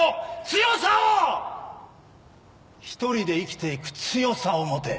強さを‼一人で生きて行く強さを持て。